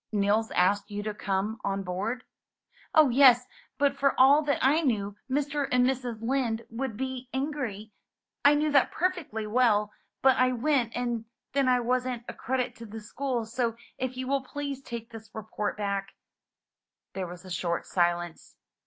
"Nils asked you to come on board?" "Oh, yes; but for all that I knew Mr. and Mrs. Lind would be angry. I knew that perfectly well. But I went, and then I wasn't a credit to the school; so if you will please take this report back" — There was a short silence.